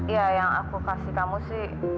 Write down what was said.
ya yang aku kasih kamu sih